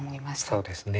そうですね。